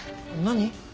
何？